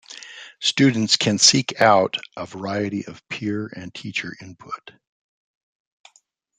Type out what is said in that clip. Students can seek out a variety of peer and teacher input.